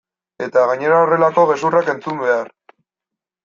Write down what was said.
Eta gainera horrelako gezurrak entzun behar!